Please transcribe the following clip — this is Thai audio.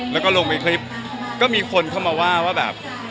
แล้วก็ลงในคลิปก็มีคนเข้ามาว่าว่าแบบ